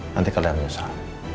nanti kalian menyesal